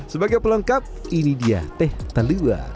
sebagai pelengkap ini dia teh taliwa